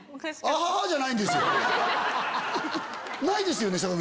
ないですよね？